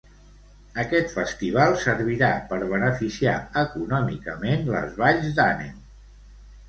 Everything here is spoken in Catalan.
Aquest festival servirà per beneficiar econòmicament les Valls d'Àneu.